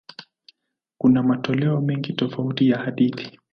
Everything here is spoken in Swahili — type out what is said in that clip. Kuna matoleo mengi tofauti ya hadithi.